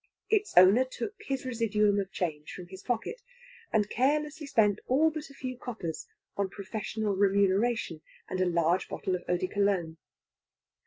Its owner took his residuum of change from his pocket, and carelessly spent all but a few coppers on professional remuneration and a large bottle of eau de Cologne.